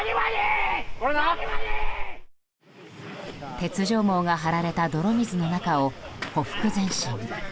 鉄条網が張られた泥水の中をほふく前進。